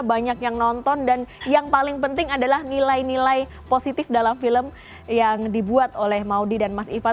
banyak yang nonton dan yang paling penting adalah nilai nilai positif dalam film yang dibuat oleh maudie dan mas iva